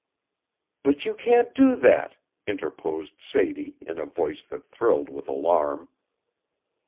"But you can't do that," interposed Sadie in a voice that thrilled with alarm.